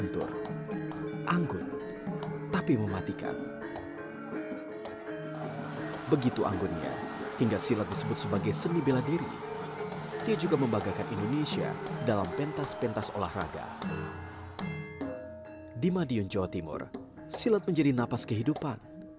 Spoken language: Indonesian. di madiun jawa timur silat menjadi napas kehidupan